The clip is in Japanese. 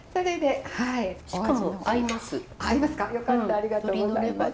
ありがとうございます。